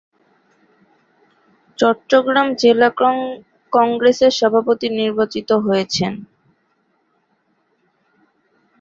চট্টগ্রাম জেলা কংগ্রেসের সভাপতি নির্বাচিত হয়েছেন।